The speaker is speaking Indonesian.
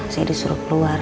saya disuruh keluar